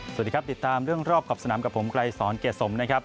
สวัสดีครับติดตามเรื่องรอบขอบสนามกับผมไกรสอนเกียรติสมนะครับ